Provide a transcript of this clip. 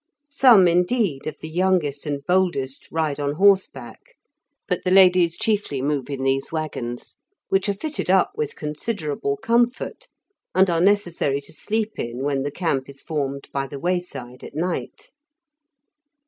Some, indeed, of the youngest and boldest ride on horseback, but the ladies chiefly move in these waggons, which are fitted up with considerable comfort, and are necessary to sleep in when the camp is formed by the wayside at night.